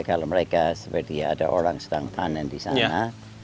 kalau mereka seperti ada orang sedang panen di sana